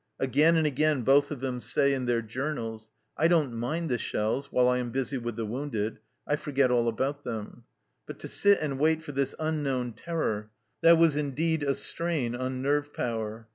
Again and again both of them say in their journals, " I don't mind the shells while I am busy with the wounded ; I forget all about them." But to sit and wait for this unknown terror, that was indeed a strain on nerve power.